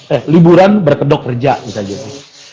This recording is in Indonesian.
eh liburan berkedok kerja bisa jadi